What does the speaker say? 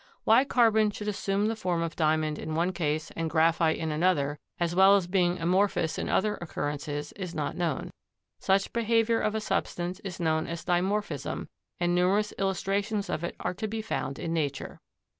Why carbon should assume the form of Diamond in one case and graphite in another, as well as being amorphous in other occurrences, is not known. Such behavior of a substance is known as dimorphism, and numerous illustrations of it are to be found in Nature.